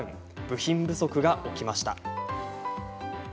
部品不足が起きました。